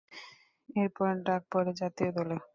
এরপর ডাক পরে জাতীয় দলে।